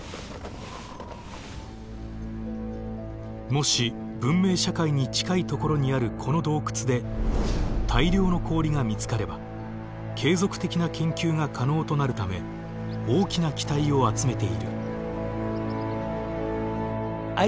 もし文明社会に近いところにあるこの洞窟で大量の氷が見つかれば継続的な研究が可能となるため大きな期待を集めている。